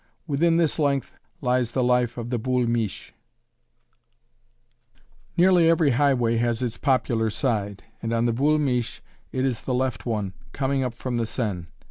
Within this length lies the life of the "Boul' Miche." Nearly every highway has its popular side, and on the "Boul' Miche" it is the left one, coming up from the Seine.